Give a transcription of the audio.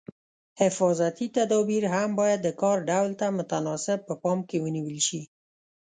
حفاظتي تدابیر هم باید د کار ډول ته متناسب په پام کې ونیول شي.